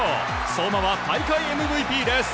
相馬は大会ＭＶＰです！